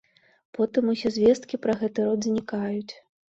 Потым усе звесткі пра гэты род знікаюць.